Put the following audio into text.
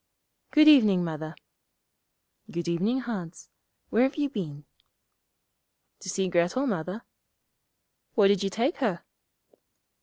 'Good evening, Mother.' 'Good evening, Hans. Where have you been?' 'To see Grettel, Mother.' 'What did you take her?'